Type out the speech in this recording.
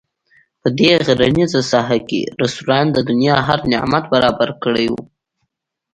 په دې غرنیزه ساحه کې رسټورانټ د دنیا هر نعمت برابر کړی وو.